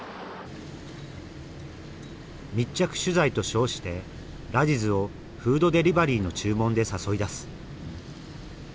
密着取材と称してラジズをフードデリバリーの注文で誘い出す